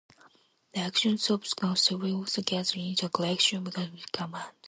The actions of the council were also gathered into a collection at Cuthbert's command.